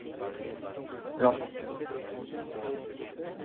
L'ensemble se devait d'être grandiose.